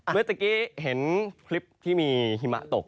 เมื่อกี้เห็นคลิปที่มีหิมะตก